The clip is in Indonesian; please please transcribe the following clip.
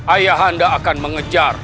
ayah anda akan mengejar